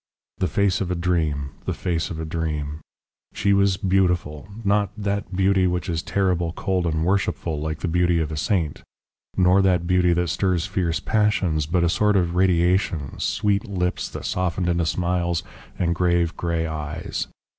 "The face of a dream the face of a dream. She was beautiful. Not that beauty which is terrible, cold, and worshipful, like the beauty of a saint; nor that beauty that stirs fierce passions; but a sort of radiation, sweet lips that softened into smiles, and grave grey eyes.